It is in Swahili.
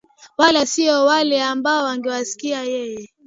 wala sio na wale ambao angewasikia yeye